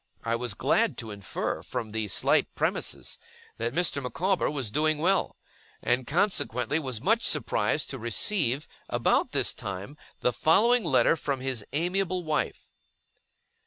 I was glad to infer, from these slight premises, that Mr. Micawber was doing well; and consequently was much surprised to receive, about this time, the following letter from his amiable wife.